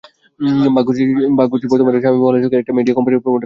ভাগ্যশ্রী বর্তমানে স্বামী হিমালয়ের সঙ্গে একটা মিডিয়া কোম্পানির প্রোমোটারের কাজ করেন।